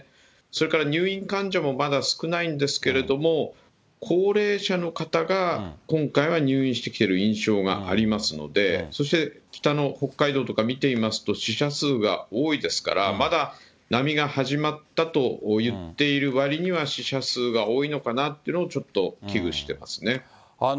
それから入院患者もまだ少ないんですけれども、高齢者の方が、今回は入院してきてる印象がありますので、そして北の北海道とか見ていますと、死者数が多いですから、まだ波が始まったと言っているわりには死者数が多いのかなっていうのを、ちょっと危惧してますね。